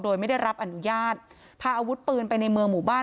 โดยไม่ได้รับอนุญาตพาอาวุธปืนไปในเมืองหมู่บ้าน